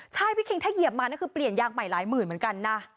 ใช่พี่คิงถ้าเหยียบมานี่คือเปลี่ยนยางใหม่หลายหมื่นเหมือนกันนะ